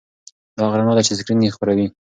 دا هغه رڼا ده چې سکرین یې خپروي.